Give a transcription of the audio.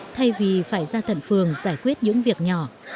thay vì phải ra tận phường giải quyết những việc nhỏ